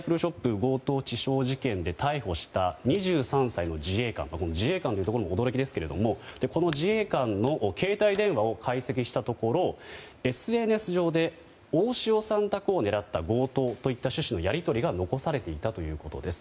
強盗致傷事件で逮捕した２３歳の自衛官自衛官というのも驚きですけどもこの自衛官の携帯電話を解析したところＳＮＳ上で大塩さん宅を狙った強盗といった趣旨のやり取りが残されていたということです。